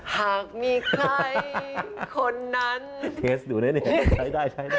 หากมีใครคนนั้นเทสดูได้ใช้ได้